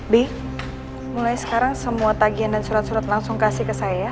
bi mulai sekarang semua tagihan dan surat surat langsung kasih ke saya